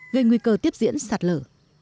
gây nguy cơ tiếp diễn sạt lở